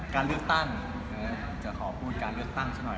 การเลือกตั้งจะขอพูดการเลือกตั้งซะหน่อย